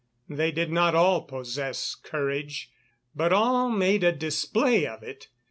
They did not all possess courage; but all made a display of it.